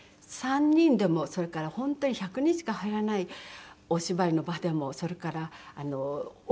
３人でもそれから本当に１００人しか入らないお芝居の場でもそれからお客さんが１人しかいない